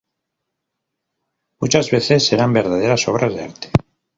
Muchas veces eran verdaderas obras de arte.